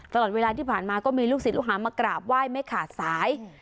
ตลอดเวลาที่ผ่านมาก็มีลูกศิษย์ลูกหามากราบไหว้ไม่ขาดสาย